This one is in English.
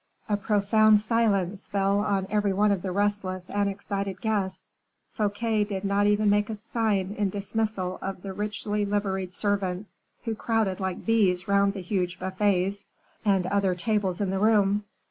A profound silence fell on every one of the restless and excited guests. Fouquet did not even make a sign in dismissal of the richly liveried servants who crowded like bees round the huge buffets and other tables in the room.